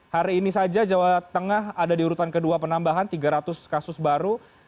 hari ini saja jawa tengah ada di urutan kedua penambahan tiga ratus kasus baru